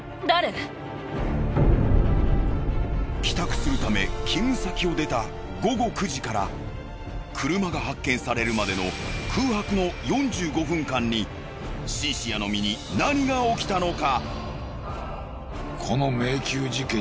帰宅するため勤務先を出た午後９時から車が発見されるまでの空白の４５分間にシンシアの身に何が起きたのか？